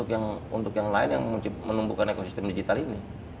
untuk yang lain yang menumbuhkan ekosistem digital ini